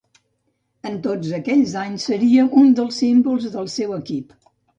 En tots aquests anys, seria un dels símbols del seu equip.